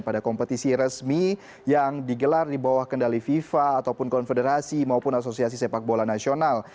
pada kompetisi resmi yang digelar di bawah kendali fifa ataupun konfederasi maupun asosiasi sepak bola nasional